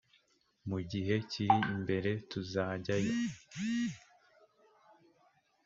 mu gihe kiri imbere tuzajyayo